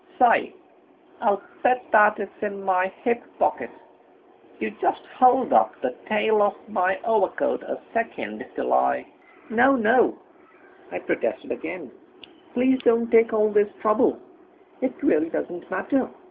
Say, I'll bet that it's in my hip pocket. You just hold up the tail of my overcoat a second till I...." "No, no," I protested again, "please don't take all this trouble, it really doesn't matter.